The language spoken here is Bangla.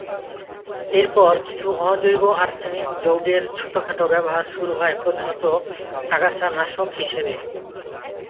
এর পর কিছু অজৈব আর্সেনিক যৌগের ছোটখাটো ব্যবহার শুরু হয় প্রধানত আগাছানাশক হিসেবে।